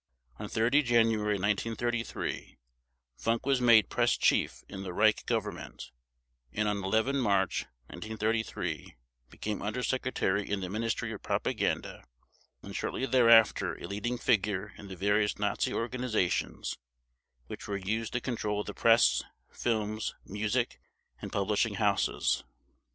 On 30 January 1933 Funk was made Press Chief in the Reich Government, and on 11 March 1933 became Under Secretary in the Ministry of Propaganda and shortly thereafter a leading figure in the various Nazi organizations which were used to control the press, films, music, and publishing houses.